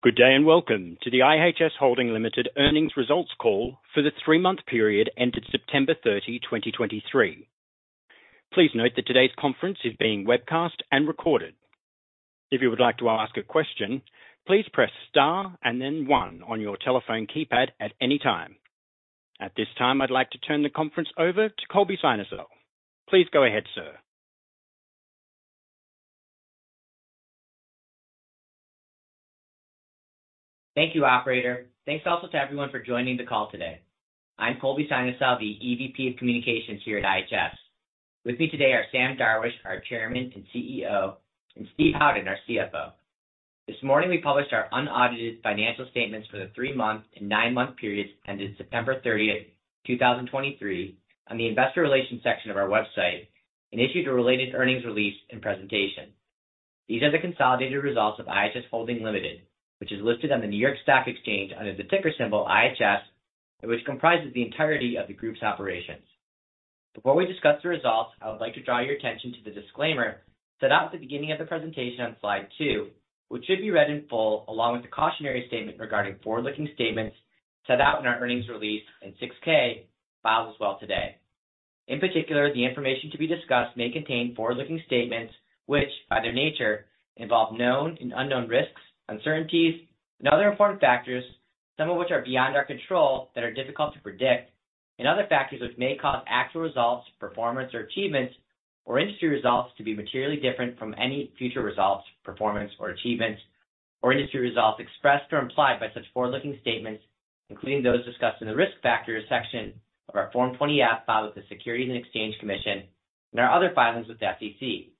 Good day, and welcome to the IHS Holding Limited Earnings Results Call for the three-month period ended September 30, 2023. Please note that today's conference is being webcast and recorded. If you would like to ask a question, please press star and then one on your telephone keypad at any time. At this time, I'd like to turn the conference over to Colby Synesael. Please go ahead, sir. Thank you, Operator. Thanks also to everyone for joining the call today. I'm Colby Synesael, the EVP of Communications here at IHS. With me today are Sam Darwish, our Chairman and CEO, and Steve Howden, our CFO. This morning, we published our unaudited financial statements for the three-month and nine-month periods ended September 30th, 2023, on the investor relations section of our website and issued a related earnings release and presentation. These are the consolidated results of IHS Holding Limited, which is listed on the New York Stock Exchange under the ticker symbol IHS, and which comprises the entirety of the group's operations. Before we discuss the results, I would like to draw your attention to the disclaimer set out at the beginning of the presentation on slide two, which should be read in full, along with the cautionary statement regarding forward-looking statements set out in our earnings release in 6-K filing as well today. In particular, the information to be discussed may contain forward-looking statements which, by their nature, involve known and unknown risks, uncertainties, and other important factors, some of which are beyond our control, that are difficult to predict, and other factors which may cause actual results, performance, or achievements or industry results to be materially different from any future results, performance, or achievements, or industry results expressed or implied by such forward-looking statements, including those discussed in the Risk Factors section of our Form 20-F filed with the Securities and Exchange Commission and our other filings with the SEC.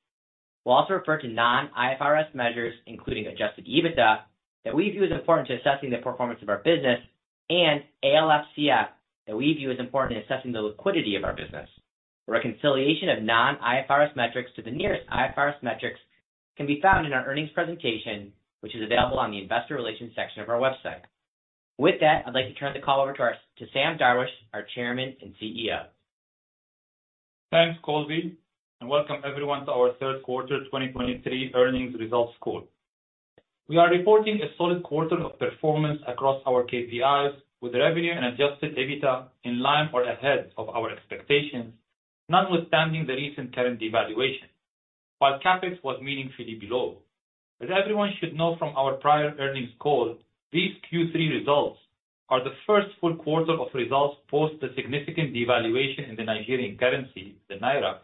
We'll also refer to non-IFRS measures, including Adjusted EBITDA, that we view as important to assessing the performance of our business, and ALFCF, that we view as important in assessing the liquidity of our business. The reconciliation of non-IFRS metrics to the nearest IFRS metrics can be found in our earnings presentation, which is available on the Investor Relations section of our website. With that, I'd like to turn the call over to Sam Darwish, our Chairman and CEO. Thanks, Colby, and welcome everyone to our third quarter 2023 earnings results call. We are reporting a solid quarter of performance across our KPIs, with revenue and adjusted EBITDA in line or ahead of our expectations, notwithstanding the recent currency devaluation, while CapEx was meaningfully below. As everyone should know from our prior earnings call, these Q3 results are the first full quarter of results post the significant devaluation in the Nigerian currency, the Naira.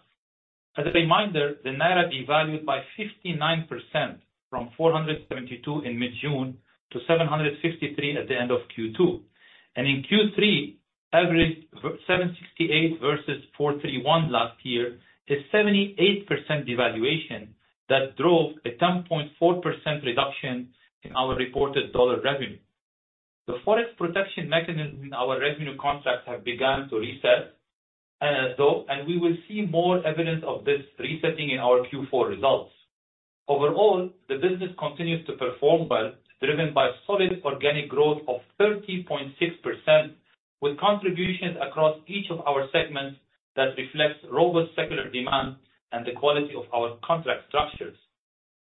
As a reminder, the Naira devalued by 59% from 472 in mid-June to 763 at the end of Q2, and in Q3, averaged 768 versus 431 last year, a 78% devaluation that drove a 10.4% reduction in our reported dollar revenue. The Forex protection mechanism in our revenue contracts have begun to reset, and we will see more evidence of this resetting in our Q4 results. Overall, the business continues to perform well, driven by solid organic growth of 30.6%, with contributions across each of our segments that reflects robust secular demand and the quality of our contract structures.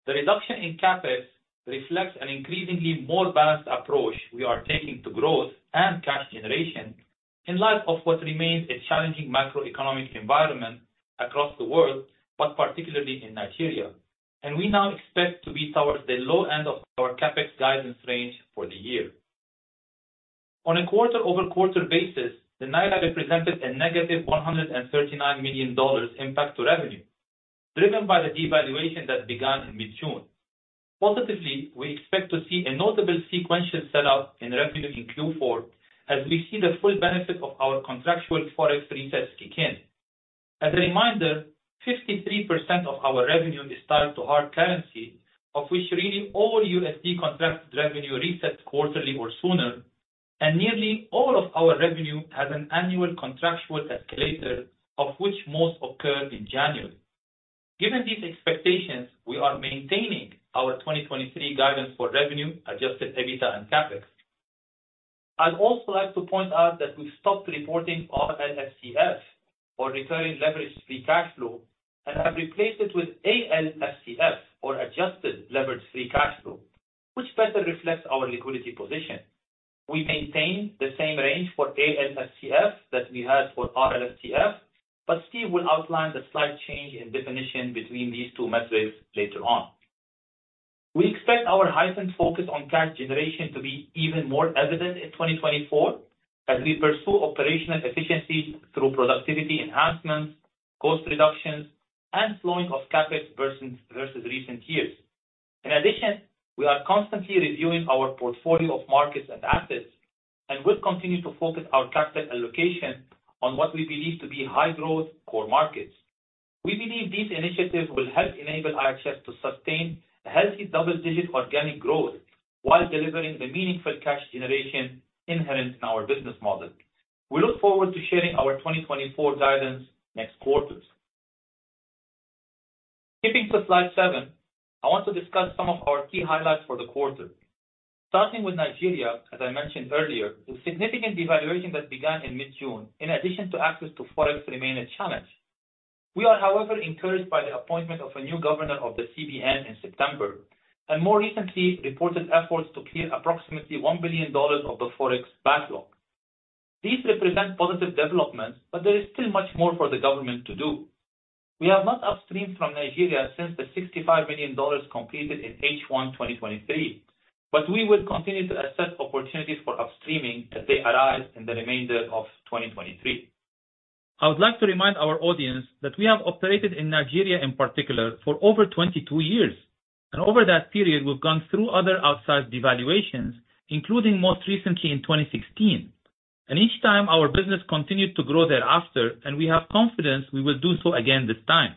The reduction in CapEx reflects an increasingly more balanced approach we are taking to growth and cash generation in light of what remains a challenging macroeconomic environment across the world, but particularly in Nigeria. We now expect to be towards the low end of our CapEx guidance range for the year. On a quarter-over-quarter basis, the Naira represented a -$139 million impact to revenue, driven by the devaluation that began in mid-June. Positively, we expect to see a notable sequential sell-out in revenue in Q4 as we see the full benefit of our contractual Forex resets kick in. As a reminder, 53% of our revenue is tied to hard currency, of which really all USD contract revenue resets quarterly or sooner, and nearly all of our revenue has an annual contractual escalator, of which most occurred in January. Given these expectations, we are maintaining our 2023 guidance for revenue, Adjusted EBITDA and CapEx. I'd also like to point out that we've stopped reporting RLFCF, or Recurring Levered Free Cash Flow, and have replaced it with ALFCF, or Adjusted Levered Free Cash Flow, which better reflects our liquidity position. We maintain the same range for ALFCF that we had for RLFCF, but Steve will outline the slight change in definition between these two methods later on. We expect our heightened focus on cash generation to be even more evident in 2024 as we pursue operational efficiencies through productivity enhancements, cost reductions, and slowing of CapEx versus recent years. In addition, we are constantly reviewing our portfolio of markets and assets and will continue to focus our CapEx allocation on what we believe to be high-growth core markets. We believe these initiatives will help enable IHS to sustain a healthy double-digit organic growth while delivering the meaningful cash generation inherent in our business model. We look forward to sharing our 2024 guidance next quarters. Skipping to slide seven, I want to discuss some of our key highlights for the quarter. Starting with Nigeria, as I mentioned earlier, the significant devaluation that began in mid-June, in addition to access to Forex, remained a challenge.... We are, however, encouraged by the appointment of a new governor of the CBN in September, and more recently, reported efforts to clear approximately $1 billion of the Forex backlog. These represent positive developments, but there is still much more for the government to do. We have not upstreamed from Nigeria since the $65 million completed in H1 2023, but we will continue to assess opportunities for upstreaming as they arise in the remainder of 2023. I would like to remind our audience that we have operated in Nigeria, in particular, for over 22 years, and over that period, we've gone through other outsized devaluations, including most recently in 2016. And each time, our business continued to grow thereafter, and we have confidence we will do so again this time.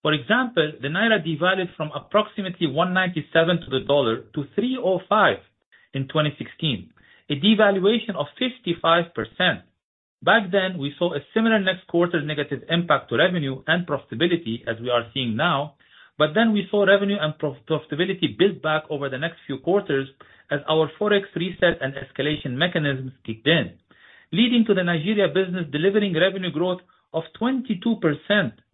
For example, the Naira devalued from approximately 197 to the dollar to 305 in 2016, a devaluation of 55%. Back then, we saw a similar next quarter negative impact to revenue and profitability as we are seeing now, but then we saw revenue and profitability build back over the next few quarters as our Forex reset and escalation mechanisms kicked in, leading to the Nigeria business delivering revenue growth of 22%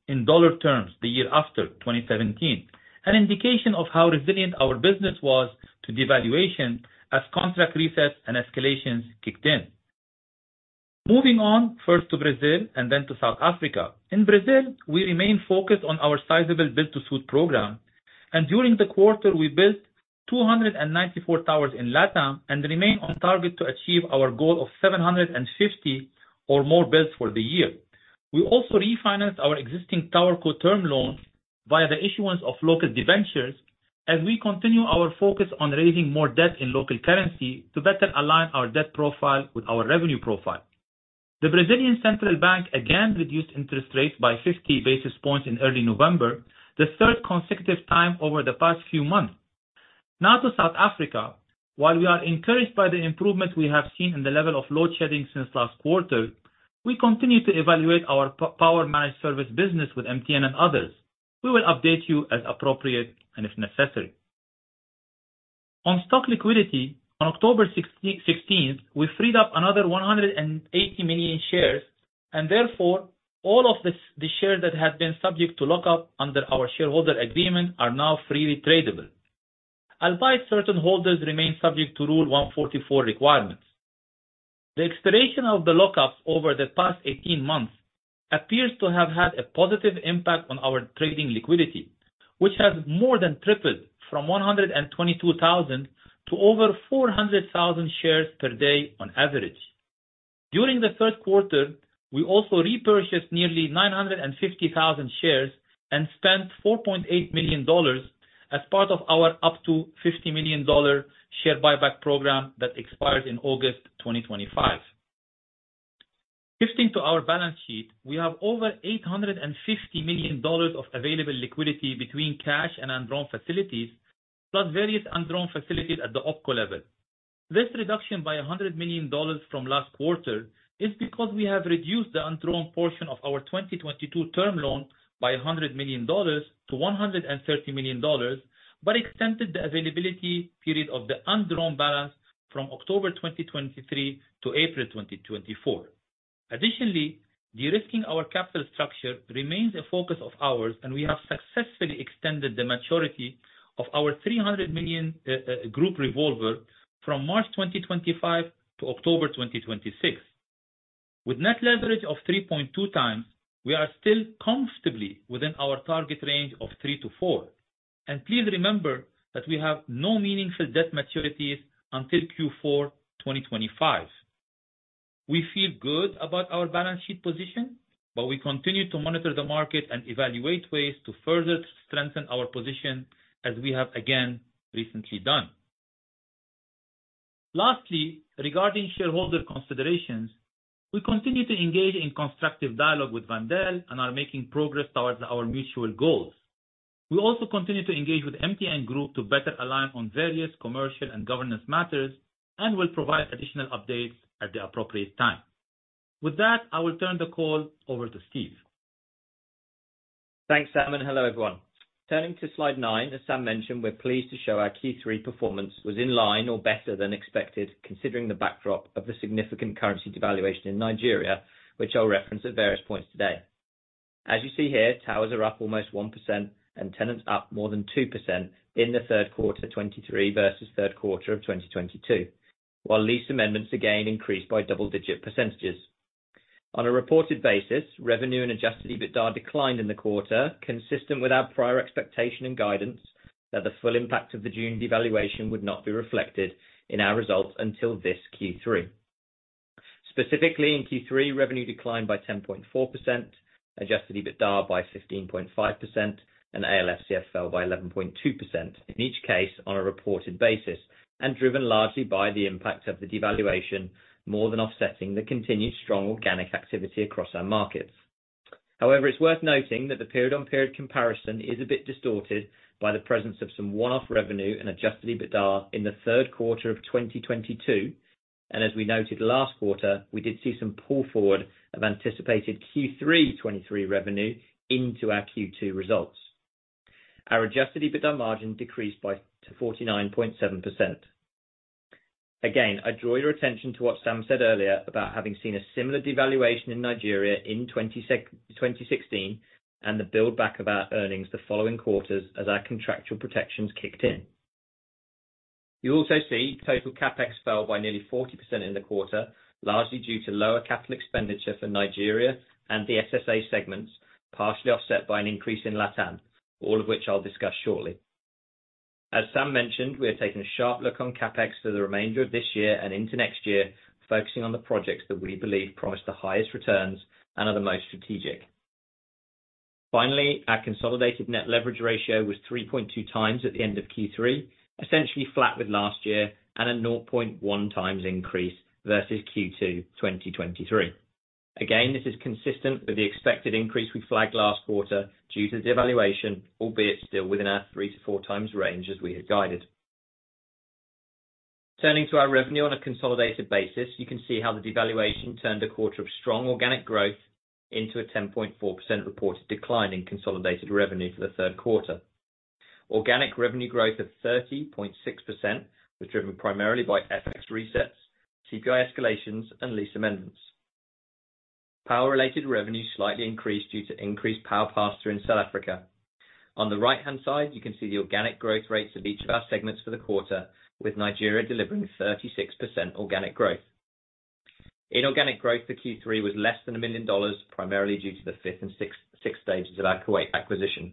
in dollar terms the year after, 2017. An indication of how resilient our business was to devaluation as contract resets and escalations kicked in. Moving on, first to Brazil and then to South Africa. In Brazil, we remain focused on our sizable build-to-suit program, and during the quarter, we built 294 towers in LATAM and remain on target to achieve our goal of 750 or more builds for the year. We also refinanced our existing TowerCo term loans via the issuance of local debentures as we continue our focus on raising more debt in local currency to better align our debt profile with our revenue profile. The Brazilian Central Bank again reduced interest rates by 50 basis points in early November, the third consecutive time over the past few months. Now to South Africa. While we are encouraged by the improvement we have seen in the level of load shedding since last quarter, we continue to evaluate our power managed service business with MTN and others. We will update you as appropriate and if necessary. On stock liquidity, on October sixteenth, we freed up another 180 million shares, and therefore, all of the shares that had been subject to lockup under our shareholder agreement are now freely tradable, albeit certain holders remain subject to Rule 144 requirements. The expiration of the lockups over the past 18 months appears to have had a positive impact on our trading liquidity, which has more than tripled from 122,000 to over 400,000 shares per day on average. During the third quarter, we also repurchased nearly 950,000 shares and spent $4.8 million as part of our up to $50 million share buyback program that expires in August 2025. Shifting to our balance sheet, we have over $850 million of available liquidity between cash and undrawn facilities, plus various undrawn facilities at the OpCo level. This reduction by $100 million from last quarter is because we have reduced the undrawn portion of our 2022 term loan by $100 million-$130 million, but extended the availability period of the undrawn balance from October 2023 to April 2024. Additionally, de-risking our capital structure remains a focus of ours, and we have successfully extended the maturity of our $300 million group revolver from March 2025 to October 2026. With net leverage of 3.2x, we are still comfortably within our target range of three to four. Please remember that we have no meaningful debt maturities until Q4 2025. We feel good about our balance sheet position, but we continue to monitor the market and evaluate ways to further strengthen our position, as we have again recently done. Lastly, regarding shareholder considerations, we continue to engage in constructive dialogue with Wendel and are making progress towards our mutual goals. We also continue to engage with MTN Group to better align on various commercial and governance matters and will provide additional updates at the appropriate time. With that, I will turn the call over to Steve. Thanks, Sam, and hello, everyone. Turning to slide nine, as Sam mentioned, we're pleased to show our Q3 performance was in line or better than expected, considering the backdrop of the significant currency devaluation in Nigeria, which I'll reference at various points today. As you see here, towers are up almost 1% and tenants up more than 2% in the third quarter of 2023 versus third quarter of 2022, while lease amendments again increased by double-digit percentages. On a reported basis, revenue and Adjusted EBITDA declined in the quarter, consistent with our prior expectation and guidance that the full impact of the June devaluation would not be reflected in our results until this Q3. Specifically, in Q3, revenue declined by 10.4%, adjusted EBITDA by 15.5%, and ALFCF fell by 11.2%, in each case on a reported basis and driven largely by the impact of the devaluation, more than offsetting the continued strong organic activity across our markets. However, it's worth noting that the period-on-period comparison is a bit distorted by the presence of some one-off revenue and adjusted EBITDA in the third quarter of 2022, and as we noted last quarter, we did see some pull forward of anticipated Q3 2023 revenue into our Q2 results. Our adjusted EBITDA margin decreased to 49.7%.... Again, I draw your attention to what Sam said earlier about having seen a similar devaluation in Nigeria in 2016, and the build back of our earnings the following quarters as our contractual protections kicked in. You also see total CapEx fell by nearly 40% in the quarter, largely due to lower capital expenditure for Nigeria and the SSA segments, partially offset by an increase in LATAM, all of which I'll discuss shortly. As Sam mentioned, we are taking a sharp look on CapEx for the remainder of this year and into next year, focusing on the projects that we believe promise the highest returns and are the most strategic. Finally, our consolidated net leverage ratio was 3.2x at the end of Q3, essentially flat with last year, and a 0.1x increase versus Q2 2023. Again, this is consistent with the expected increase we flagged last quarter due to the devaluation, albeit still within our 3x-4x range as we had guided. Turning to our revenue on a consolidated basis, you can see how the devaluation turned a quarter of strong organic growth into a 10.4% reported decline in consolidated revenue for the third quarter. Organic revenue growth of 30.6% was driven primarily by FX resets, CPI escalations, and lease amendments. Power-related revenue slightly increased due to increased power pass-through in South Africa. On the right-hand side, you can see the organic growth rates of each of our segments for the quarter, with Nigeria delivering 36% organic growth. Inorganic growth for Q3 was less than $1 million, primarily due to the fifth and sixth stages of our Kuwait acquisition.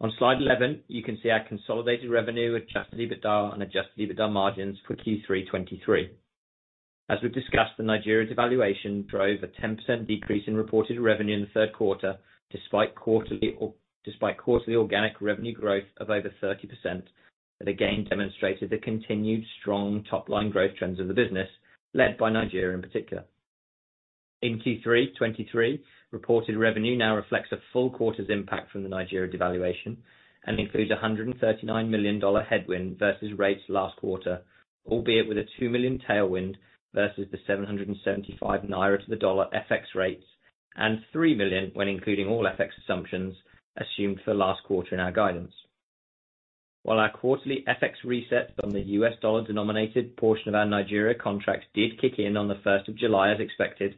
On slide 11, you can see our consolidated revenue Adjusted EBITDA and Adjusted EBITDA margins for Q3 2023. As we've discussed, the Nigeria devaluation drove a 10% decrease in reported revenue in the third quarter, despite quarterly despite quarterly organic revenue growth of over 30%, that again demonstrated the continued strong top-line growth trends of the business, led by Nigeria in particular. In Q3 2023, reported revenue now reflects a full quarter's impact from the Nigeria devaluation and includes a $139 million headwind versus rates last quarter, albeit with a $2 million tailwind versus the 775 naira to the dollar FX rates, and $3 million when including all FX assumptions assumed for last quarter in our guidance. While our quarterly FX resets on the US dollar-denominated portion of our Nigeria contracts did kick in on the first of July as expected,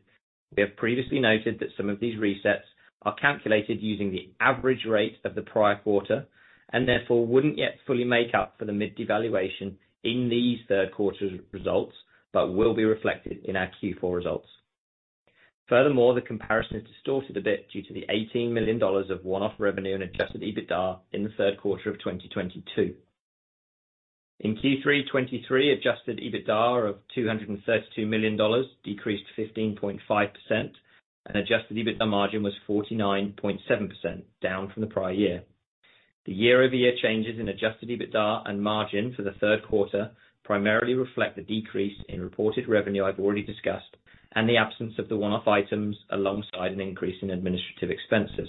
we have previously noted that some of these resets are calculated using the average rate of the prior quarter, and therefore, wouldn't yet fully make up for the naira devaluation in these third quarter results, but will be reflected in our Q4 results. Furthermore, the comparison is distorted a bit due to the $18 million of one-off revenue and Adjusted EBITDA in the third quarter of 2022. In Q3 2023, Adjusted EBITDA of $232 million decreased 15.5%, and Adjusted EBITDA margin was 49.7%, down from the prior year. The year-over-year changes in adjusted EBITDA and margin for the third quarter primarily reflect the decrease in reported revenue I've already discussed, and the absence of the one-off items alongside an increase in administrative expenses.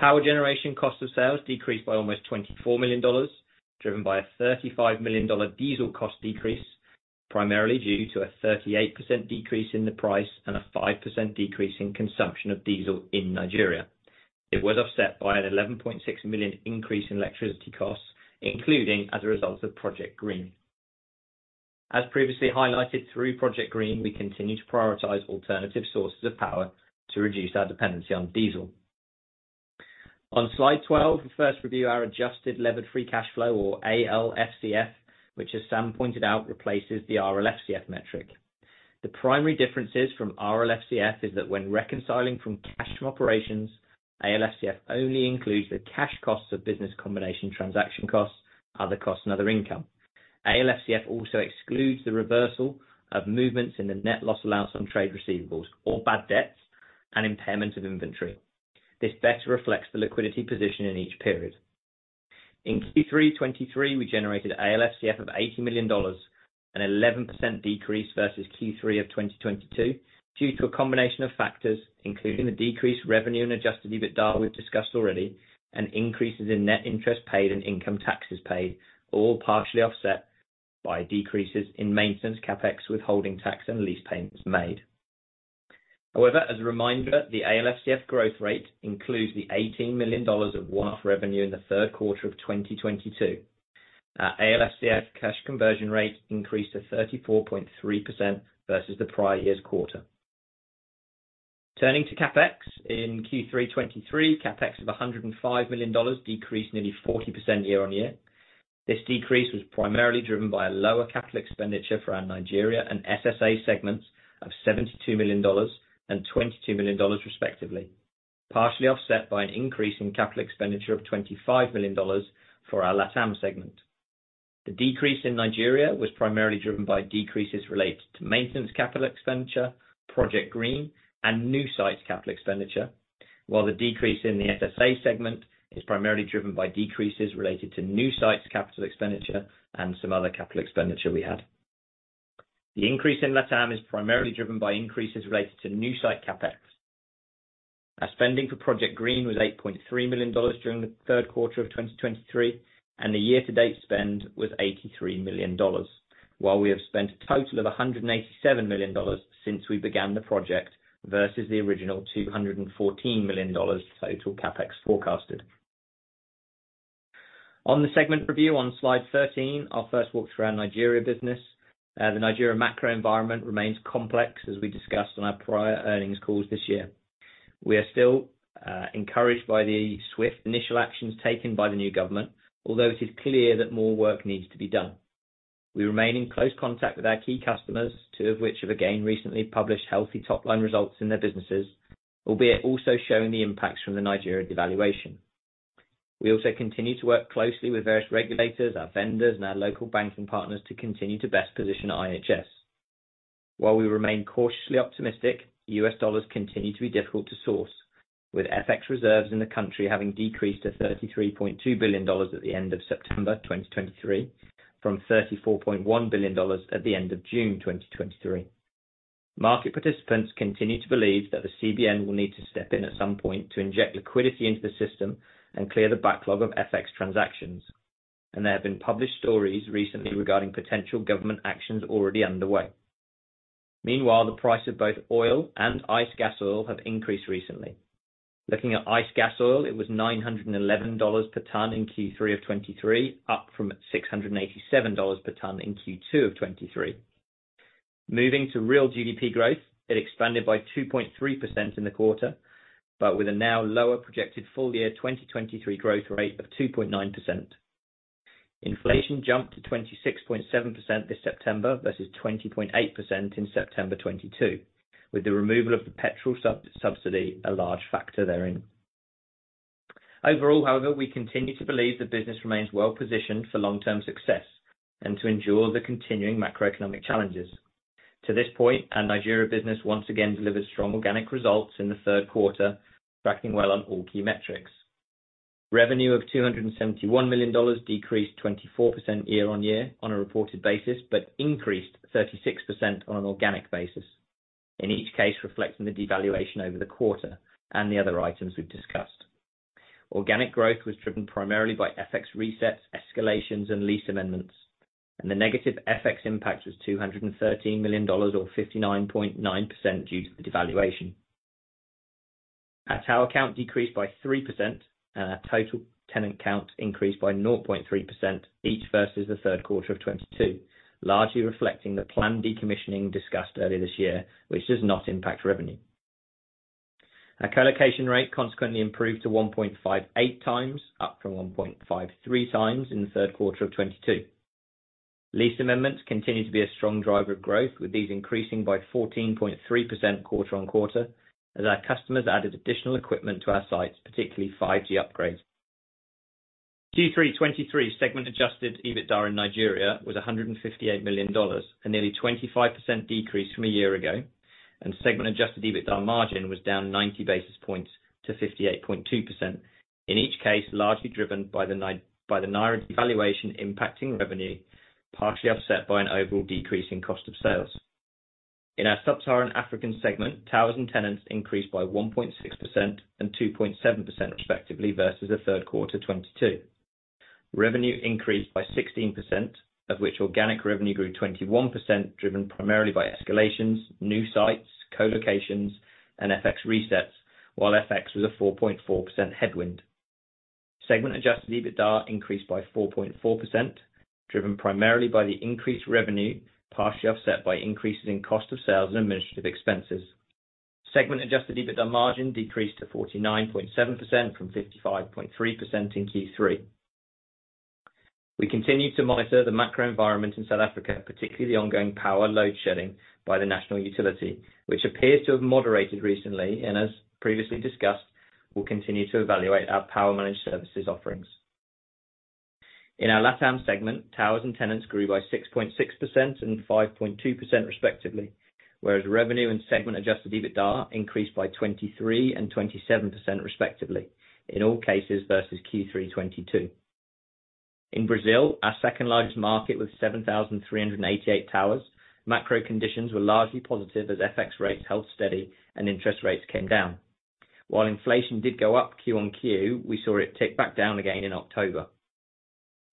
Power generation cost of sales decreased by almost $24 million, driven by a $35 million diesel cost decrease, primarily due to a 38% decrease in the price and a 5% decrease in consumption of diesel in Nigeria. It was offset by an $11.6 million increase in electricity costs, including as a result of Project Green. As previously highlighted, through Project Green, we continue to prioritize alternative sources of power to reduce our dependency on diesel. On slide 12, we first review our adjusted levered free cash flow, or ALFCF, which, as Sam pointed out, replaces the RLFCF metric. The primary differences from RLFCF is that when reconciling from cash from operations, ALFCF only includes the cash costs of business combination costs, transaction costs, other costs, and other income. ALFCF also excludes the reversal of movements in the net loss allowance on trade receivables, or bad debts, and impairment of inventory. This better reflects the liquidity position in each period. In Q3 2023, we generated ALFCF of $80 million, an 11% decrease versus Q3 of 2022 due to a combination of factors, including the decreased revenue and adjusted EBITDA we've discussed already, and increases in net interest paid and income taxes paid, all partially offset by decreases in maintenance, CapEx, withholding tax, and lease payments made. However, as a reminder, the ALFCF growth rate includes the $18 million of one-off revenue in the third quarter of 2022. Our ALFCF cash conversion rate increased to 34.3% versus the prior year's quarter. Turning to CapEx in Q3 2023, CapEx of $105 million decreased nearly 40% year-on-year. This decrease was primarily driven by a lower capital expenditure for our Nigeria and SSA segments of $72 million and $22 million, respectively, partially offset by an increase in capital expenditure of $25 million for our LATAM segment. The decrease in Nigeria was primarily driven by decreases related to maintenance capital expenditure, Project Green, and new sites capital expenditure. While the decrease in the SSA segment is primarily driven by decreases related to new sites, capital expenditure, and some other capital expenditure we had. The increase in LATAM is primarily driven by increases related to new site CapEx. Our spending for Project Green was $8.3 million during the third quarter of 2023, and the year-to-date spend was $83 million, while we have spent a total of $187 million since we began the project, versus the original $214 million total CapEx forecasted. On the segment review on slide 13, I'll first walk through our Nigeria business. The Nigeria macro environment remains complex, as we discussed on our prior earnings calls this year. We are still encouraged by the swift initial actions taken by the new government, although it is clear that more work needs to be done. We remain in close contact with our key customers, two of which have again recently published healthy top-line results in their businesses, albeit also showing the impacts from the Nigeria devaluation. We also continue to work closely with various regulators, our vendors, and our local banking partners to continue to best position IHS. While we remain cautiously optimistic, U.S. dollars continue to be difficult to source, with FX reserves in the country having decreased to $33.2 billion at the end of September 2023, from $34.1 billion at the end of June 2023. Market participants continue to believe that the CBN will need to step in at some point to inject liquidity into the system and clear the backlog of FX transactions, and there have been published stories recently regarding potential government actions already underway. Meanwhile, the price of both oil and ICE gasoil have increased recently. Looking at ICE Gasoil, it was $911 per ton in Q3 of 2023, up from $687 per ton in Q2 of 2023. Moving to real GDP growth, it expanded by 2.3% in the quarter, but with a now lower projected full year 2023 growth rate of 2.9%. Inflation jumped to 26.7% this September, versus 20.8% in September 2022, with the removal of the petrol subsidy, a large factor therein. Overall, however, we continue to believe the business remains well-positioned for long-term success and to endure the continuing macroeconomic challenges. To this point, our Nigeria business once again delivered strong organic results in the third quarter, tracking well on all key metrics. Revenue of $271 million decreased 24% year-on-year on a reported basis, but increased 36% on an organic basis, in each case, reflecting the devaluation over the quarter and the other items we've discussed. Organic growth was driven primarily by FX resets, escalations, and lease amendments, and the negative FX impact was $213 million or 59.9% due to the devaluation. Our tower count decreased by 3%, and our total tenant count increased by 0.3%, each versus the third quarter of 2022, largely reflecting the planned decommissioning discussed earlier this year, which does not impact revenue. Our colocation rate consequently improved to 1.58x, up from 1.53x in the third quarter of 2022. Lease amendments continue to be a strong driver of growth, with these increasing by 14.3% quarter-on-quarter, as our customers added additional equipment to our sites, particularly 5G upgrades. Q3 2023 segment adjusted EBITDA in Nigeria was $158 million, a nearly 25% decrease from a year ago, and segment adjusted EBITDA margin was down 90 basis points to 58.2%. In each case, largely driven by the by the Naira devaluation impacting revenue, partially offset by an overall decrease in cost of sales. In our sub-Saharan African segment, towers and tenants increased by 1.6% and 2.7%, respectively, versus the third quarter 2022. Revenue increased by 16%, of which organic revenue grew 21%, driven primarily by escalations, new sites, co-locations, and FX resets, while FX was a 4.4% headwind. Segment-adjusted EBITDA increased by 4.4%, driven primarily by the increased revenue, partially offset by increases in cost of sales and administrative expenses. Segment-adjusted EBITDA margin decreased to 49.7% from 55.3% in Q3. We continue to monitor the macro environment in South Africa, particularly the ongoing power load shedding by the national utility, which appears to have moderated recently, and as previously discussed, we'll continue to evaluate our power managed services offerings. In our LatAm segment, towers and tenants grew by 6.6% and 5.2%, respectively, whereas revenue and segment-adjusted EBITDA increased by 23% and 27%, respectively, in all cases versus Q3 2022. In Brazil, our second largest market with 7,388 towers, macro conditions were largely positive as FX rates held steady and interest rates came down. While inflation did go up Q-on-Q, we saw it tick back down again in October.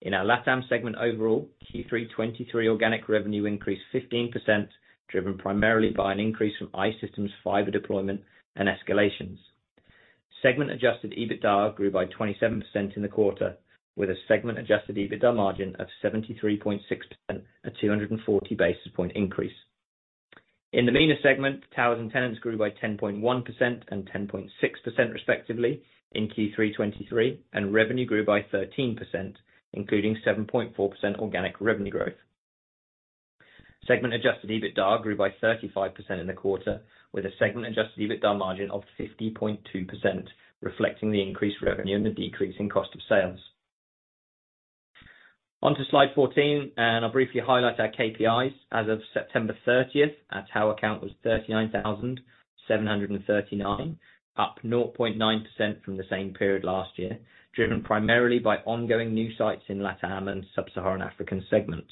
In our LatAm segment overall, Q3 2023 organic revenue increased 15%, driven primarily by an increase from I-Systems fiber deployment and escalations. Segment-adjusted EBITDA grew by 27% in the quarter, with a segment-adjusted EBITDA margin of 73.6%, a 240 basis point increase. In the MENA segment, towers and tenants grew by 10.1% and 10.6%, respectively, in Q3 2023, and revenue grew by 13%, including 7.4% organic revenue growth. Segment-adjusted EBITDA grew by 35% in the quarter, with a segment-adjusted EBITDA margin of 50.2%, reflecting the increased revenue and the decrease in cost of sales. On to slide 14, and I'll briefly highlight our KPIs. As of September 30th, our tower count was 39,739, up 0.9% from the same period last year, driven primarily by ongoing new sites in LatAm and Sub-Saharan Africa segment.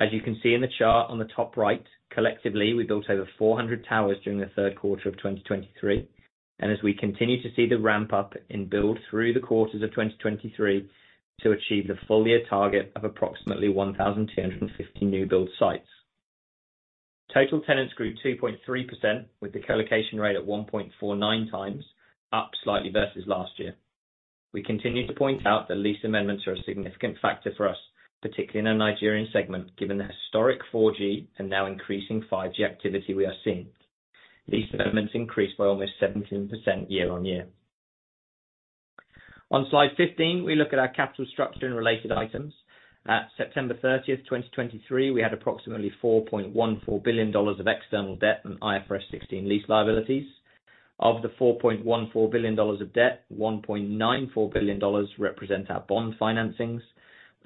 As you can see in the chart on the top right, collectively, we built over 400 towers during the third quarter of 2023... and as we continue to see the ramp up in build through the quarters of 2023 to achieve the full year target of approximately 1,250 new-build sites. Total tenants grew 2.3%, with the colocation rate at 1.49x, up slightly versus last year. We continue to point out that lease amendments are a significant factor for us, particularly in our Nigerian segment, given the historic 4G and now increasing 5G activity we are seeing. These developments increased by almost 17% year-on-year. On slide 15, we look at our capital structure and related items. At September 30th, 2023, we had approximately $4.14 billion of external debt and IFRS 16 lease liabilities. Of the $4.14 billion of debt, $1.94 billion represent our bond financings,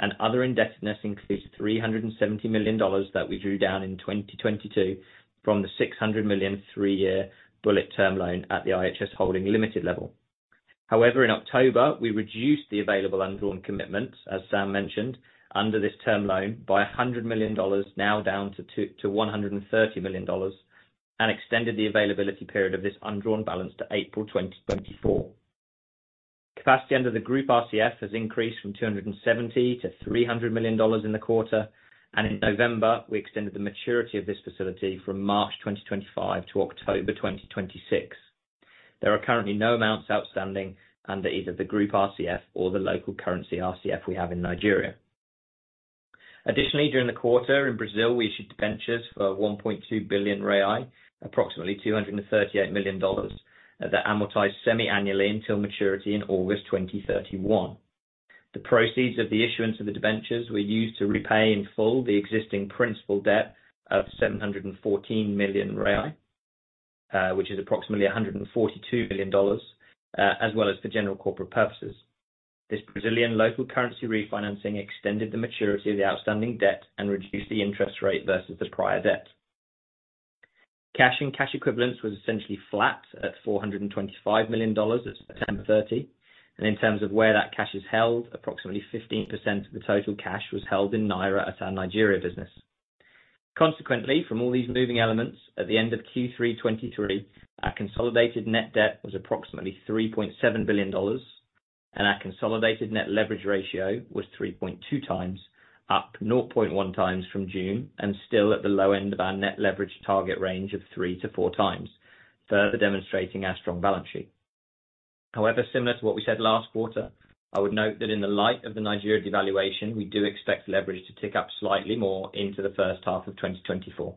and other indebtedness includes $370 million that we drew down in 2022 from the $600 million, three-year bullet term loan at the IHS Holding Limited level. However, in October, we reduced the available undrawn commitments, as Sam mentioned, under this term loan by $100 million, now down to $130 million, and extended the availability period of this undrawn balance to April 2024. Capacity under the group RCF has increased from $270 million-$300 million in the quarter, and in November, we extended the maturity of this facility from March 2025 to October 2026. There are currently no amounts outstanding under either the group RCF or the local currency RCF we have in Nigeria. Additionally, during the quarter in Brazil, we issued debentures for 1.2 billion, approximately $238 million, that amortize semiannually until maturity in August 2031. The proceeds of the issuance of the debentures were used to repay in full the existing principal debt of 714 million, which is approximately $142 million, as well as for general corporate purposes. This Brazilian local currency refinancing extended the maturity of the outstanding debt and reduced the interest rate versus the prior debt. Cash and cash equivalents was essentially flat at $425 million at September 30, and in terms of where that cash is held, approximately 15% of the total cash was held in Naira at our Nigeria business. Consequently, from all these moving elements, at the end of Q3 2023, our consolidated net debt was approximately $3.7 billion, and our consolidated net leverage ratio was 3.2x, up 0.1x from June, and still at the low end of our net leverage target range of 3x-4x, further demonstrating our strong balance sheet. However, similar to what we said last quarter, I would note that in the light of the Nigeria devaluation, we do expect leverage to tick up slightly more into the first half of 2024.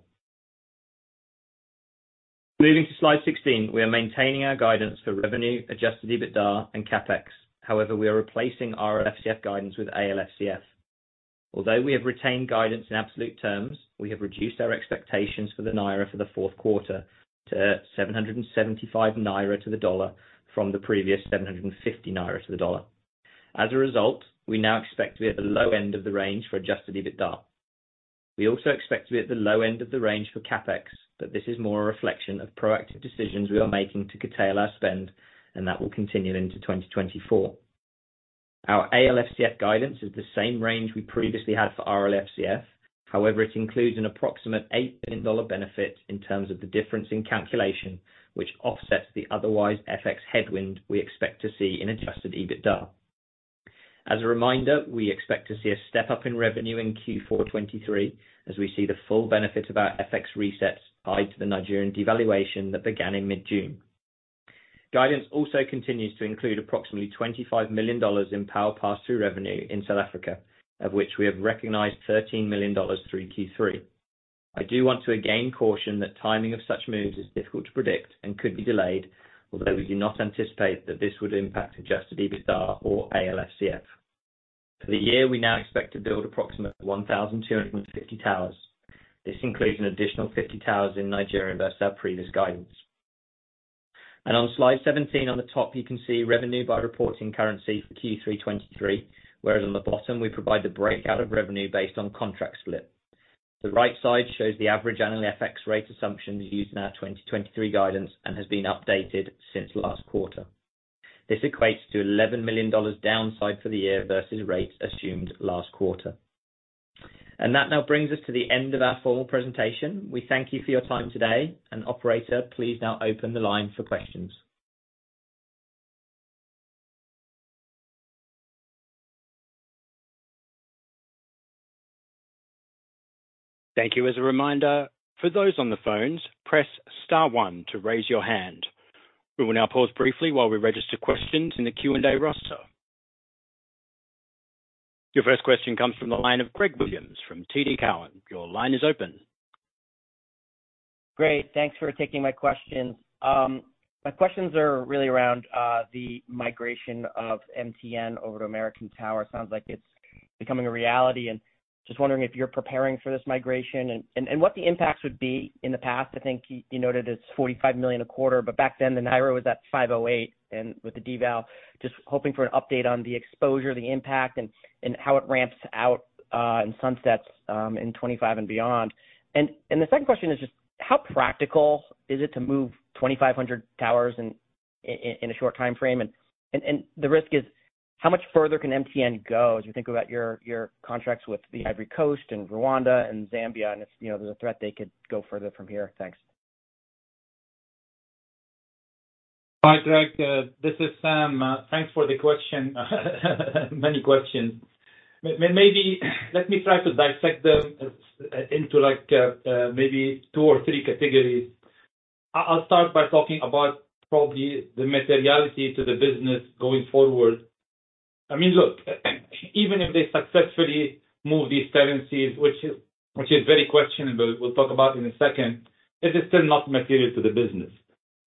Moving to slide 16. We are maintaining our guidance for revenue, adjusted EBITDA and CapEx. However, we are replacing our FCF guidance with ALFCF. Although we have retained guidance in absolute terms, we have reduced our expectations for the Naira for the fourth quarter to 775 naira to the dollar, from the previous 750 naira to the dollar. As a result, we now expect to be at the low end of the range for Adjusted EBITDA. We also expect to be at the low end of the range for CapEx, but this is more a reflection of proactive decisions we are making to curtail our spend, and that will continue into 2024. Our ALFCF guidance is the same range we previously had for RLFCF. However, it includes an approximate $8 billion benefit in terms of the difference in calculation, which offsets the otherwise FX headwind we expect to see in Adjusted EBITDA. As a reminder, we expect to see a step-up in revenue in Q4 2023, as we see the full benefit of our FX resets applied to the Nigerian devaluation that began in mid-June. Guidance also continues to include approximately $25 million in power pass-through revenue in South Africa, of which we have recognized $13 million through Q3. I do want to again caution that timing of such moves is difficult to predict and could be delayed, although we do not anticipate that this would impact adjusted EBITDA or ALFCF. For the year, we now expect to build approximately 1,250 towers. This includes an additional 50 towers in Nigeria versus our previous guidance. On slide 17, on the top, you can see revenue by reporting currency for Q3 2023, whereas on the bottom, we provide the breakout of revenue based on contract split. The right side shows the average annual FX rate assumptions used in our 2023 guidance and has been updated since last quarter. This equates to $11 million downside for the year versus rates assumed last quarter. That now brings us to the end of our formal presentation. We thank you for your time today. Operator, please now open the line for questions. Thank you. As a reminder, for those on the phones, press star one to raise your hand. We will now pause briefly while we register questions in the Q&A roster. Your first question comes from the line of Greg Williams from TD Cowen. Your line is open. Great. Thanks for taking my questions. My questions are really around the migration of MTN over to American Tower. Sounds like it's becoming a reality and just wondering if you're preparing for this migration and what the impacts would be. In the past, I think you noted it's $45 million a quarter, but back then, the Naira was at 508, and with the deval, just hoping for an update on the exposure, the impact and how it ramps out and sunsets in 2025 and beyond. And the second question is just how practical is it to move 2,500 towers in a short time frame? And the risk is how much further can MTN go as you think about your, your contracts with the Ivory Coast and Rwanda and Zambia, and it's, you know, there's a threat they could go further from here? Thanks. Hi, Greg, this is Sam. Thanks for the question, many questions. Maybe let me try to dissect them into, like, maybe two or three categories. I'll start by talking about probably the materiality to the business going forward. I mean, look, even if they successfully move these tenancies, which is very questionable, we'll talk about in a second, it is still not material to the business.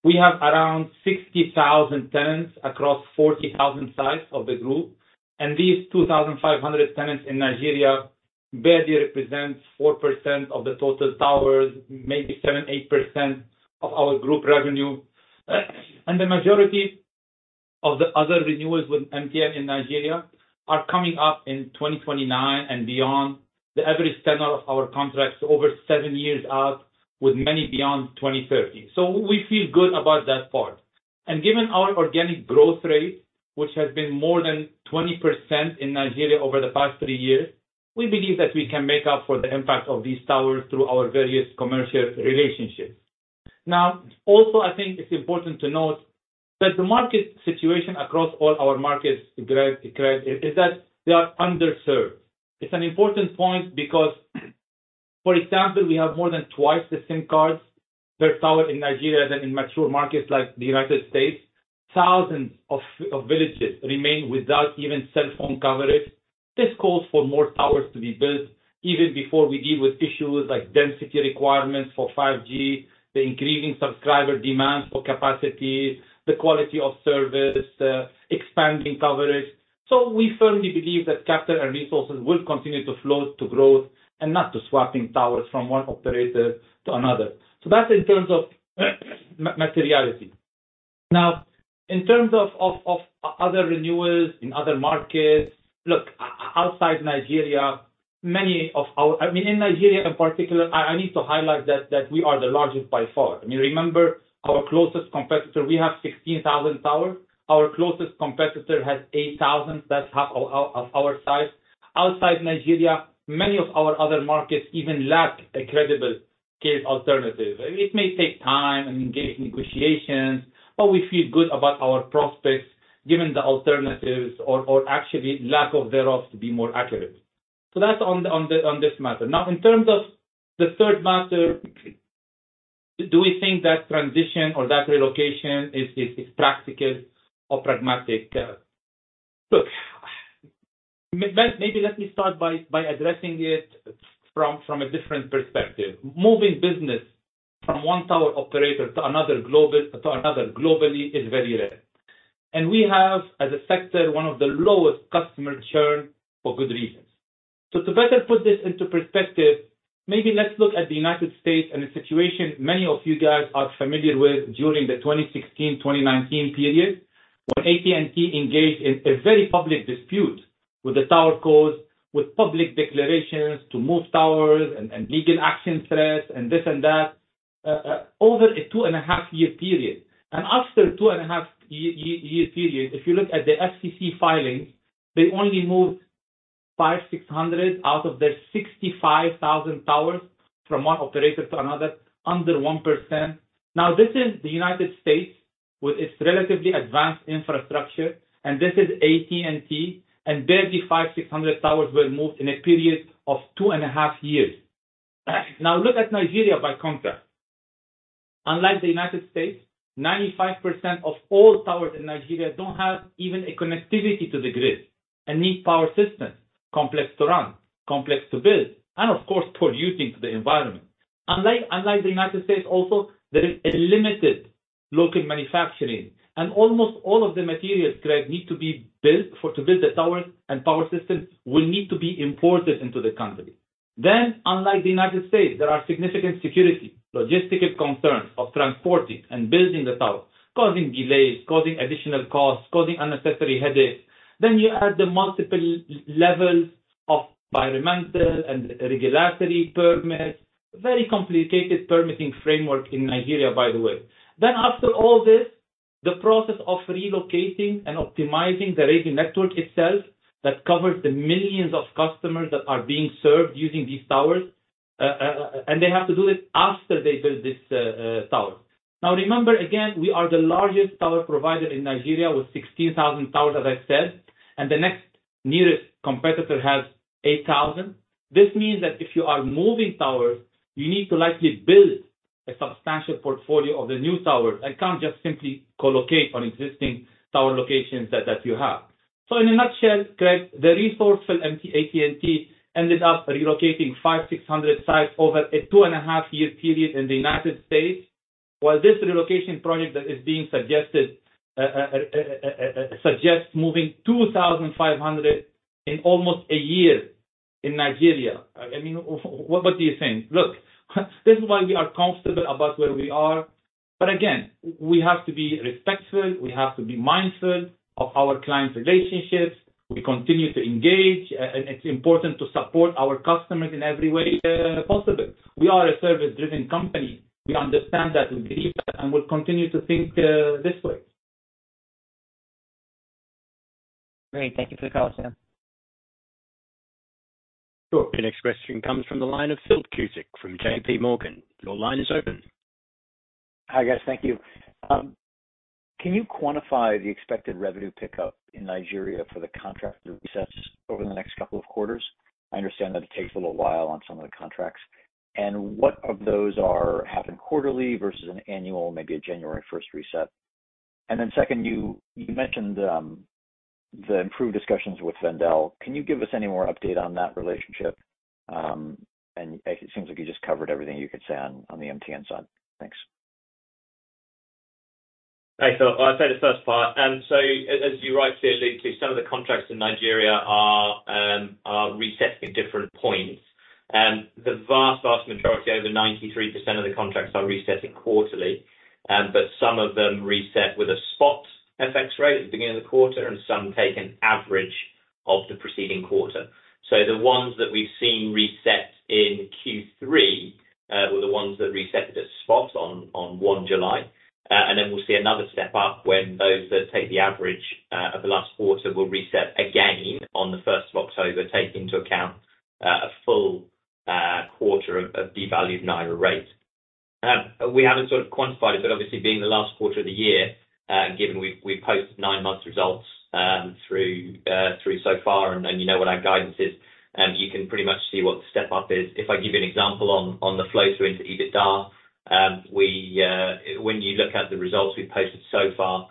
We have around 60,000 tenants across 40,000 sites of the group, and these 2,500 tenants in Nigeria barely represents 4% of the total towers, maybe 7%-8% of our group revenue. And the majority of the other renewals with MTN in Nigeria are coming up in 2029 and beyond. The average tenure of our contracts over seven years out, with many beyond 2030. So we feel good about that part. And given our organic growth rate, which has been more than 20% in Nigeria over the past three years, we believe that we can make up for the impact of these towers through our various commercial relationships. Now, also, I think it's important to note that the market situation across all our markets, Greg, Greg, is that they are underserved. It's an important point because, for example, we have more than twice the SIM cards per tower in Nigeria than in mature markets like the United States. Thousands of villages remain without even cell phone coverage. This calls for more towers to be built even before we deal with issues like density requirements for 5G, the increasing subscriber demand for capacity, the quality of service, expanding coverage. So we firmly believe that capital and resources will continue to flow to growth and not to swapping towers from one operator to another. So that's in terms of materiality. Now, in terms of other renewals in other markets, look, outside Nigeria, many of our, I mean, in Nigeria in particular, I need to highlight that we are the largest by far. I mean, remember our closest competitor, we have 16,000 towers. Our closest competitor has 8,000. That's half of our size. Outside Nigeria, many of our other markets even lack a credible case alternative. It may take time and engage negotiations, but we feel good about our prospects, given the alternatives or actually lack of thereof, to be more accurate. So that's on this matter. Now, in terms of the third matter, do we think that transition or that relocation is practical or pragmatic? Look, maybe let me start by addressing it from a different perspective. Moving business from one tower operator to another globally is very rare, and we have, as a sector, one of the lowest customer churn for good reasons. So to better put this into perspective, maybe let's look at the United States and a situation many of you guys are familiar with during the 2016, 2019 period, when AT&T engaged in a very public dispute with the TowerCos, with public declarations to move towers and legal action threats, and this and that, over a 2.5-year period. After 2.5-year period, if you look at the FCC filings, they only moved 500-600 out of their 65,000 towers from one operator to another, under 1%. Now, this is the United States, with its relatively advanced infrastructure, and this is AT&T, and barely 500-600 towers were moved in a period of 2.5 years. Now, look at Nigeria by contrast. Unlike the United States, 95% of all towers in Nigeria don't have even a connectivity to the grid and need power systems, complex to run, complex to build, and of course, polluting to the environment. Unlike the United States also, there is a limited local manufacturing, and almost all of the materials, Greg, need to be built for to build the towers and power systems, will need to be imported into the country. Then, unlike the United States, there are significant security, logistical concerns of transporting and building the towers, causing delays, causing additional costs, causing unnecessary headaches. Then you add the multiple levels of environmental and regulatory permits. Very complicated permitting framework in Nigeria, by the way. Then after all this, the process of relocating and optimizing the radio network itself, that covers the millions of customers that are being served using these towers, and they have to do it after they build this tower. Now, remember again, we are the largest tower provider in Nigeria, with 16,000 towers, as I said, and the next nearest competitor has 8,000. This means that if you are moving towers, you need to likely build a substantial portfolio of the new towers and can't just simply collocate on existing tower locations that you have. So in a nutshell, Greg, the resourceful AT&T ended up relocating five, six hundred sites over a 2.5-year period in the United States, while this relocation project that is being suggested suggests moving 2,500 in almost a year in Nigeria. I mean, what are you saying? Look, this is why we are comfortable about where we are, but again, we have to be respectful, we have to be mindful of our clients' relationships. We continue to engage, and it's important to support our customers in every way possible. We are a service-driven company. We understand that, we believe that, and we'll continue to think this way. Great. Thank you for the color, Sam. Sure. The next question comes from the line of Phil Cusick from JPMorgan. Your line is open. Hi, guys. Thank you. Can you quantify the expected revenue pickup in Nigeria for the contract resets over the next couple of quarters? I understand that it takes a little while on some of the contracts. And what of those are happening quarterly versus an annual, maybe a January first reset? And then second, you mentioned the improved discussions with Wendel. Can you give us any more update on that relationship? And it seems like you just covered everything you could say on the MTN side. Thanks. Thanks, Phil. I'll take the first part. So as you rightly allude to, some of the contracts in Nigeria are resetting at different points. The vast, vast majority, over 93% of the contracts are resetting quarterly. But some of them reset with a spot FX rate at the beginning of the quarter, and some take an average of the preceding quarter. So the ones that we've seen reset in Q3 were the ones that reset at spot on 1 July. And then we'll see another step up when those that take the average of the last quarter will reset again on the first of October, take into account a full quarter of devalued Naira rate. We haven't sort of quantified it, but obviously being the last quarter of the year, given we posted nine months results through so far, and you know what our guidance is, you can pretty much see what the step up is. If I give you an example on the flow through into EBITDA, when you look at the results we posted so far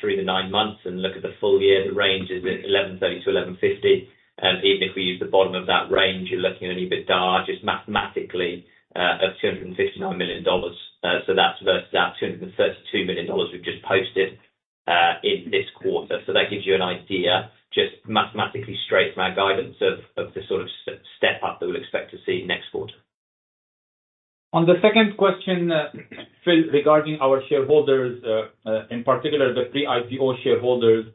through the nine months and look at the full year, the range is $1,130-$1,150. Even if we use the bottom of that range, you're looking at an EBITDA, just mathematically, of $259 million. So that's versus that $232 million we've just posted in this quarter. So that gives you an idea, just mathematically straight from our guidance of the sort of step up that we'll expect to see next quarter. On the second question, Phil, regarding our shareholders, in particular, the pre-IPO shareholders.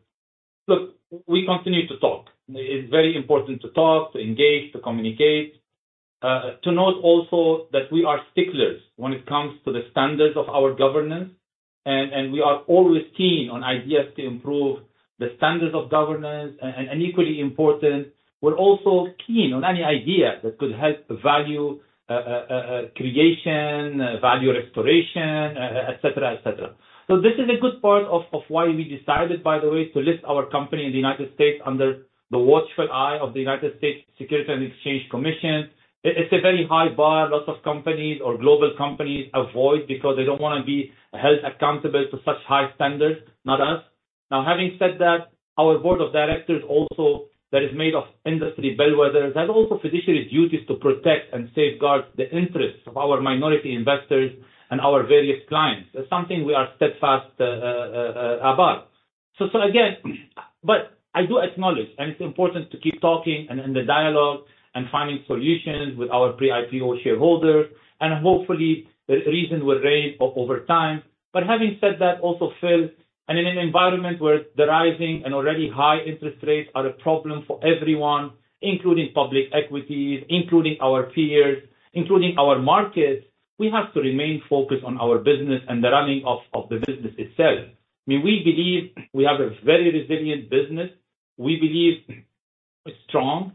Look, we continue to talk. It's very important to talk, to engage, to communicate, to note also that we are sticklers when it comes to the standards of our governance, and we are always keen on ideas to improve the standards of governance. And equally important, we're also keen on any idea that could help value creation, value restoration, et cetera, et cetera. So this is a good part of why we decided, by the way, to list our company in the United States under the watchful eye of the United States Securities and Exchange Commission. It's a very high bar. Lots of companies or global companies avoid because they don't want to be held accountable to such high standards, not us. Now, having said that, our board of directors also, that is made of industry bellwethers, has also fiduciary duties to protect and safeguard the interests of our minority investors and our various clients. That's something we are steadfast about. So again, but I do acknowledge, and it's important to keep talking and in the dialogue and finding solutions with our pre-IPO shareholders, and hopefully reasons will raise over time. But having said that, also, Phil, and in an environment where the rising and already high interest rates are a problem for everyone, including public equities, including our peers, including our markets, we have to remain focused on our business and the running of the business itself. I mean, we believe we have a very resilient business. We believe it's strong.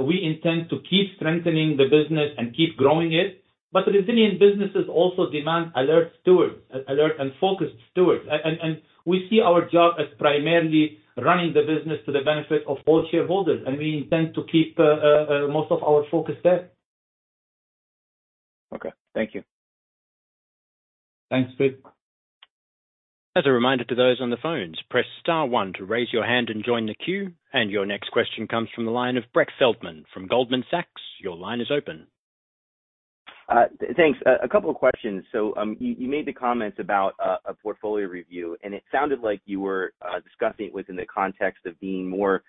We intend to keep strengthening the business and keep growing it. But the resilient businesses also demand alert stewards, alert and focused stewards. And we see our job as primarily running the business to the benefit of all shareholders, and we intend to keep most of our focus there. Okay. Thank you. Thanks, Phil. As a reminder to those on the phones, press star one to raise your hand and join the queue. Your next question comes from the line of Brett Feldman from Goldman Sachs. Your line is open. Thanks. A couple of questions. So, you made the comments about a portfolio review, and it sounded like you were discussing it within the context of being more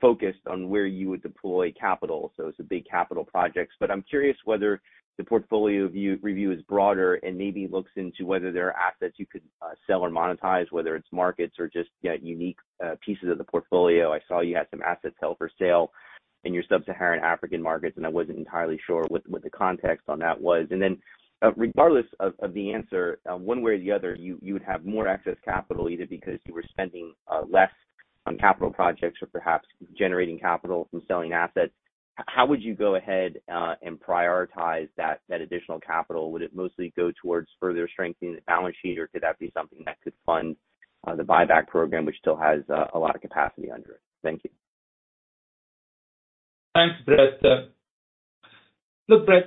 focused on where you would deploy capital. So it's a big capital projects, but I'm curious whether the portfolio review is broader and maybe looks into whether there are assets you could sell or monetize, whether it's markets or just, yeah, unique pieces of the portfolio. I saw you had some assets held for sale in your Sub-Saharan African markets, and I wasn't entirely sure what the context on that was. And then, regardless of the answer, one way or the other, you would have more access capital either because you were spending less on capital projects or perhaps generating capital from selling assets. How would you go ahead, and prioritize that, that additional capital? Would it mostly go towards further strengthening the balance sheet, or could that be something that could fund, the buyback program, which still has, a lot of capacity under it? Thank you. Thanks, Brett. Look, Brett,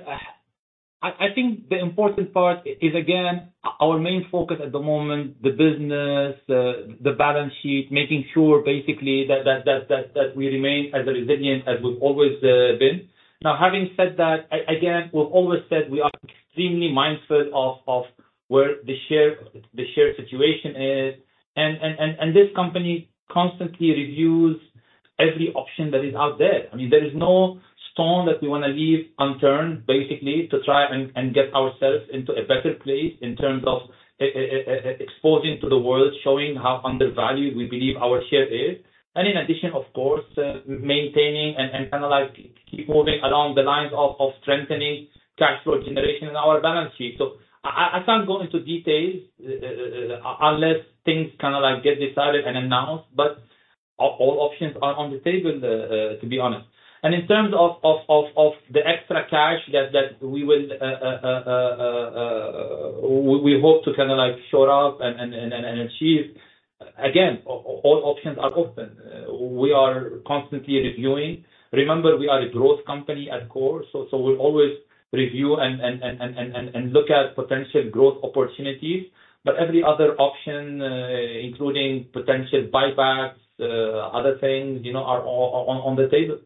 I think the important part is, again, our main focus at the moment, the business, the balance sheet, making sure basically that we remain as resilient as we've always been. Now, having said that, again, we've always said we are extremely mindful of where the share situation is. And this company constantly reviews every option that is out there. I mean, there is no stone that we want to leave unturned, basically, to try and get ourselves into a better place in terms of exposing to the world, showing how undervalued we believe our share is. And in addition, of course, maintaining and kind of like keep moving along the lines of strengthening cash flow generation in our balance sheet. So, I can't go into details unless things kind of like get decided and announced, but all options are on the table, to be honest. And in terms of the extra cash that we hope to kind of like shore up and achieve, again, all options are open. We are constantly reviewing. Remember, we are a growth company at core, so we always review and look at potential growth opportunities. But every other option, including potential buybacks, other things, you know, are on the table.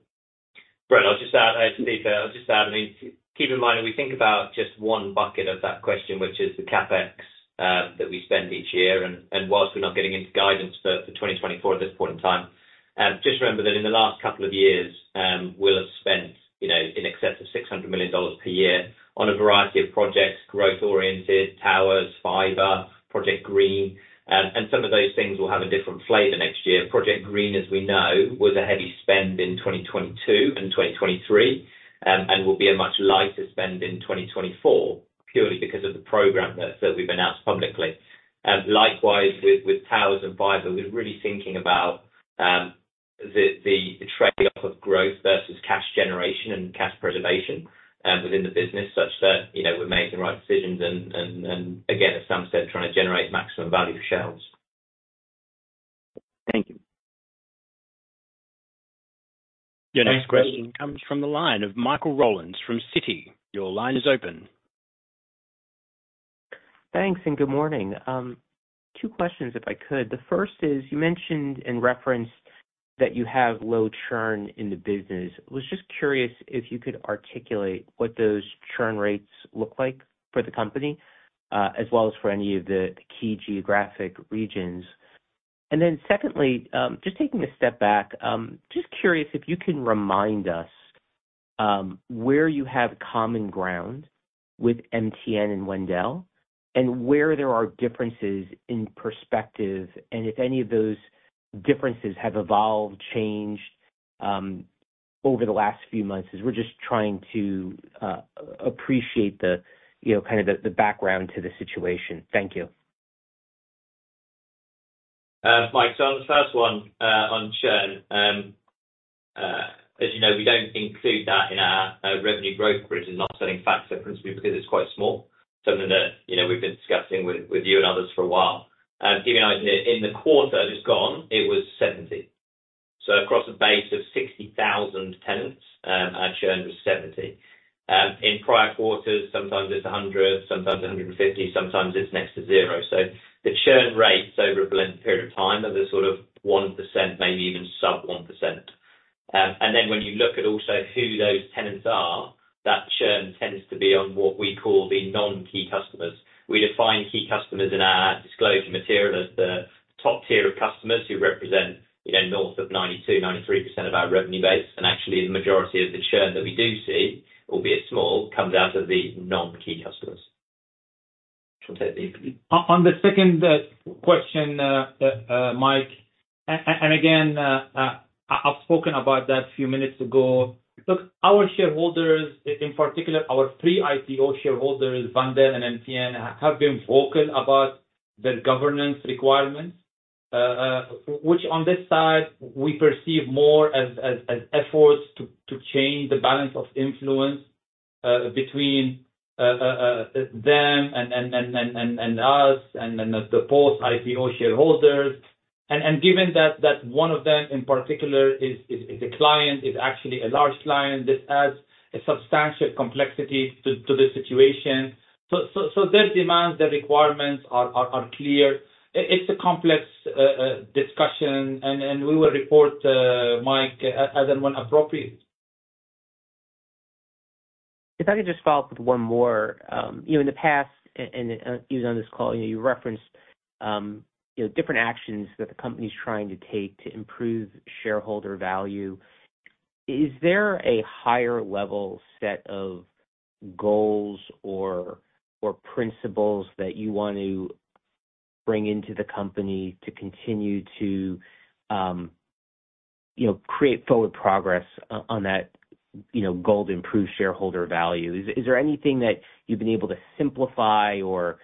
Right. I'll just add, I mean, keep in mind, we think about just one bucket of that question, which is the CapEx that we spend each year. While we're not getting into guidance for 2024 at this point in time, just remember that in the last couple of years, we'll have spent, you know, in excess of $600 million per year on a variety of projects, growth-oriented, towers, fiber, Project Green, and some of those things will have a different flavor next year. Project Green, as we know, was a heavy spend in 2022 and 2023, and will be a much lighter spend in 2024, purely because of the program that we've announced publicly. Likewise, with towers and fiber, we're really thinking about the trade-off of growth versus cash generation and cash preservation within the business, such that, you know, we're making the right decisions. And again, as Sam said, trying to generate maximum value for shareholders. Thank you. Your next question comes from the line of Michael Rollins from Citi. Your line is open. Thanks, and good morning. Two questions, if I could. The first is, you mentioned in reference that you have low churn in the business. Was just curious if you could articulate what those churn rates look like for the company, as well as for any of the key geographic regions. And then secondly, just taking a step back, just curious if you can remind us, where you have common ground with MTN and Wendel, and where there are differences in perspective, and if any of those differences have evolved, changed, over the last few months, as we're just trying to, appreciate the, you know, kind of the, the background to the situation. Thank you. Mike, so on the first one, on churn, as you know, we don't include that in our revenue growth, for it is not a significant factor, principally because it's quite small, something that, you know, we've been discussing with you and others for a while. Give you an idea, in the quarter that is gone, it was 70. So across a base of 60,000 tenants, our churn was 70. In prior quarters, sometimes it's 100, sometimes 150, sometimes it's next to zero. So the churn rates over a lengthy period of time are the sort of 1%, maybe even sub-1%. And then when you look at who those tenants are, that churn tends to be on what we call the non-key customers. We define key customers in our disclosure material as the top tier of customers who represent, you know, north of 92%-93% of our revenue base. Actually, the majority of the churn that we do see, albeit small, comes out of the non-key customers. On the second question, Mike, and again, I've spoken about that a few minutes ago. Look, our shareholders, in particular, our pre-IPO shareholders, Wendel and MTN, have been vocal about the governance requirements, which on this side, we perceive more as efforts to change the balance of influence between them and us, and then the post-IPO shareholders. And given that one of them in particular is a client, is actually a large client, this adds a substantial complexity to the situation. So their demands, their requirements are clear. It's a complex discussion, and we will report, Mike, as and when appropriate. If I could just follow up with one more. You know, in the past, and you was on this call, you referenced, you know, different actions that the company's trying to take to improve shareholder value. Is there a higher level set of goals or principles that you want to bring into the company to continue to, you know, create forward progress on that, you know, goal to improve shareholder value? Is there anything that you've been able to simplify or,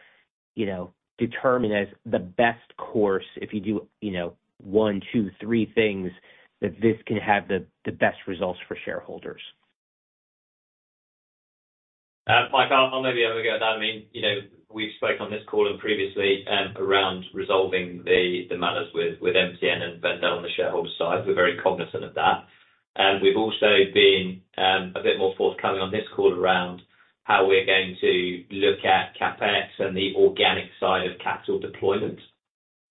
you know, determine as the best course, if you do, you know, one, two, three things that this can have the best results for shareholders? Mike, I'll maybe have a go at that. I mean, you know, we've spoken on this call and previously around resolving the matters with MTN and Wendel on the shareholder side. We're very cognizant of that, and we've also been a bit more forthcoming on this call around how we're going to look at CapEx and the organic side of capital deployment.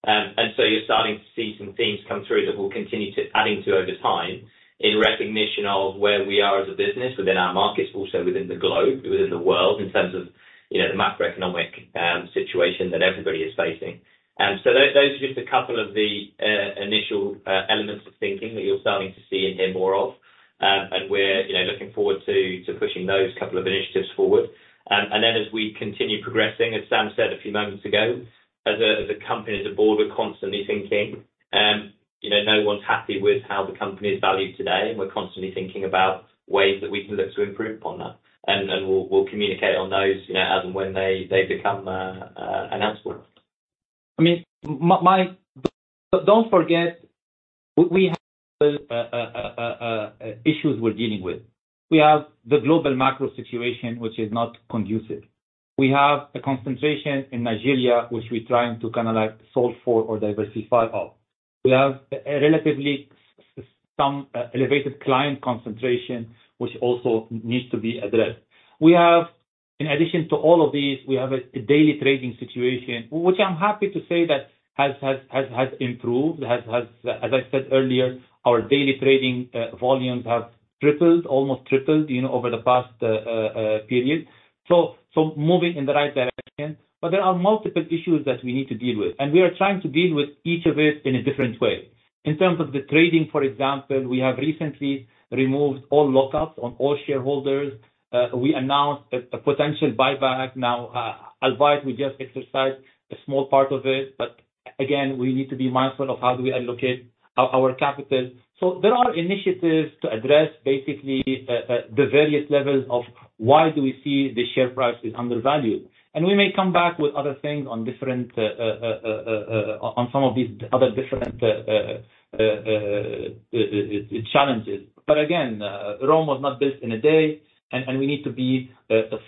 And so you're starting to see some themes come through that we'll continue to adding to over time... in recognition of where we are as a business within our markets, also within the globe, within the world, in terms of, you know, the macroeconomic situation that everybody is facing. So those, those are just a couple of the initial elements of thinking that you're starting to see and hear more of. We're, you know, looking forward to pushing those couple of initiatives forward. And then, as we continue progressing, as Sam said a few moments ago, as a company, as a board, we're constantly thinking, you know, no one's happy with how the company is valued today, and we're constantly thinking about ways that we can look to improve upon that. And we'll communicate on those, you know, as and when they become announced. I mean, Mike, but don't forget, we have issues we're dealing with. We have the global macro situation, which is not conducive. We have a concentration in Nigeria, which we're trying to kinda like solve for or diversify of. We have a relatively some elevated client concentration, which also needs to be addressed. We have, in addition to all of these, we have a daily trading situation, which I'm happy to say that has improved, as I said earlier, our daily trading volumes have tripled, almost tripled, you know, over the past period. So moving in the right direction. But there are multiple issues that we need to deal with, and we are trying to deal with each of it in a different way. In terms of the trading, for example, we have recently removed all lockups on all shareholders. We announced a potential buyback. Now, albeit we just exercised a small part of it, but again, we need to be mindful of how we allocate our capital. So there are initiatives to address basically the various levels of why we see the share price is undervalued. And we may come back with other things on different on some of these other different challenges. But again, Rome was not built in a day, and we need to be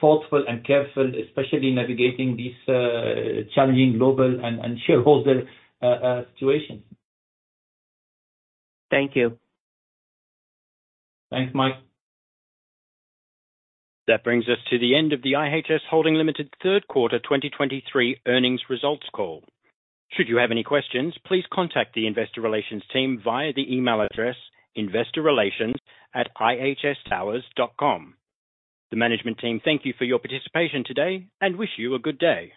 thoughtful and careful, especially in navigating this challenging global and shareholder situation. Thank you. Thanks, Mike. That brings us to the end of the IHS Holding Limited third quarter 2023 earnings results call. Should you have any questions, please contact the investor relations team via the email address, investorrelations@ihstowers.com. The management team thank you for your participation today and wish you a good day.